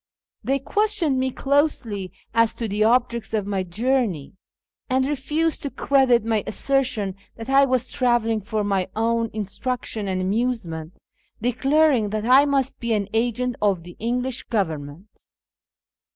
They questioned me closely as to the objects of my journey, and refused to credit my assertion that I was travelling for my own instruction and amusement, declarincj that I must be an agent of the EnQ lish Government.